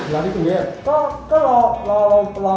รอที่สุเมฆ